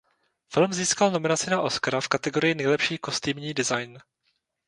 Film získal nominaci na Oscara v kategorii nejlepší kostýmní design.